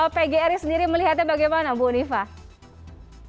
pgri sendiri melihatnya bagaimana bu unifah